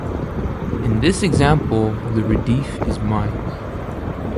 In this example the Radif is "mein".